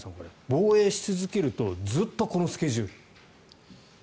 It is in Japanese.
防衛し続けるとずっとこのスケジュール。